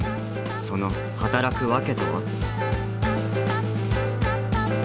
その働くワケとは？